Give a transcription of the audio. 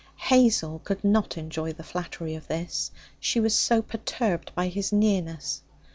Hazel could not enjoy the flattery of this; she was so perturbed by his nearness.